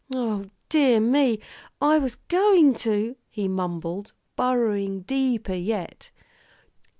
"O dear me! I was going to " he mumbled, burrowing deeper yet.